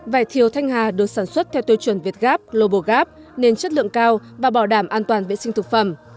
vải thiều thanh hà được sản xuất theo tiêu chuẩn việt gap global gap nên chất lượng cao và bảo đảm an toàn vệ sinh thực phẩm